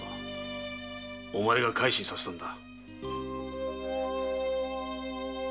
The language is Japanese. お前が改心させたのだ。